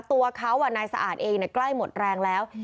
ตัวเขานายสะอาดเองใกล้หมดแรงแล้ว